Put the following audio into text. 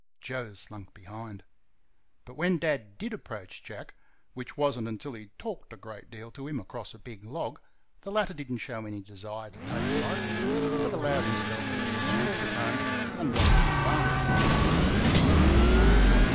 Joe slunk behind. But when Dad DID approach Jack, which was n't until he had talked a great deal to him across a big log, the latter did n't show any desire to take life, but allowed himself to be escorted home and locked in the barn quietly enough.